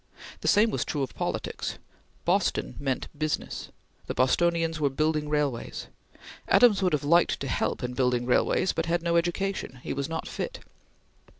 The same was true of politics. Boston meant business. The Bostonians were building railways. Adams would have liked to help in building railways, but had no education. He was not fit.